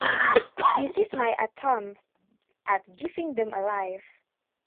This is my attempt at giving them a life.